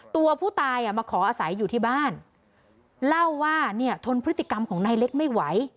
ตัวผู้ตายอ่ะมาขออาศัยอยู่ที่บ้านเล่าว่าเนี่ยทนพฤติกรรมของนายเล็กไม่ไหว